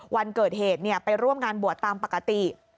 วันเกิดเหตุไปร่วมงานบวชตามปกติ